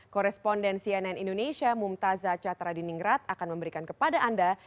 koresponden cnn indonesia mumtazah catra di ningrat akan memberikan kepada anda